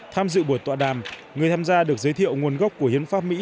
tham dự buổi tọa đàm người tham gia được giới thiệu nguồn gốc của hiến pháp mỹ